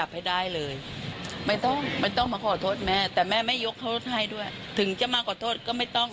แม่ไม่ยกโทษให้ด้วยถึงจะมากกว่าโทษก็ไม่ต้อง